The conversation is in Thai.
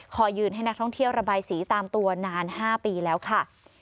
ยืนให้นักท่องเที่ยวระบายสีตามตัวนาน๕ปีแล้วค่ะ